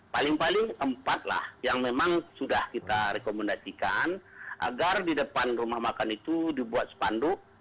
paling paling empat lah yang memang sudah kita rekomendasikan agar di depan rumah makan itu dibuat sepanduk